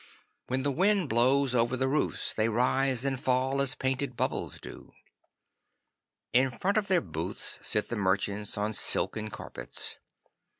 When the wind blows over the roofs they rise and fall as painted bubbles do. In front of their booths sit the merchants on silken carpets.